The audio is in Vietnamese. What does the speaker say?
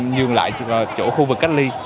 nhường lại chỗ khu vực cách ly